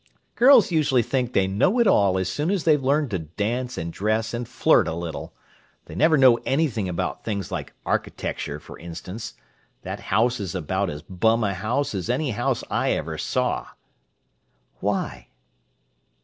"Girls usually think they know it all as soon as they've learned to dance and dress and flirt a little. They never know anything about things like architecture, for instance. That house is about as bum a house as any house I ever saw!" "Why?"